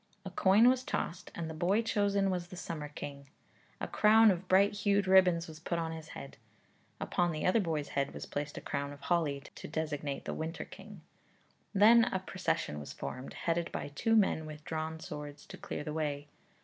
A coin was tossed and the boy chosen was the summer king; a crown of bright hued ribbons was put upon his head. Upon the other boy's head was placed a crown of holly, to designate the winter king. Then a procession was formed, headed by two men with drawn swords to clear the way.